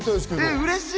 うれしい。